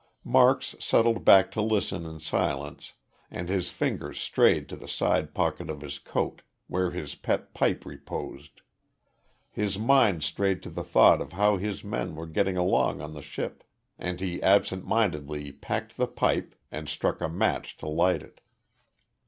Marks settled back to listen in silence and his fingers strayed to the side pocket of his coat where his pet pipe reposed. His mind strayed to the thought of how his men were getting along on the ship, and he absent mindedly packed the pipe and struck a match to light it.